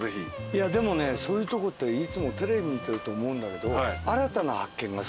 いやでもねそういうとこっていつもテレビ見てると思うんだけど。